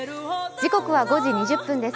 時刻は５時２０分です。